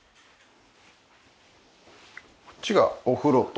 こっちがお風呂と。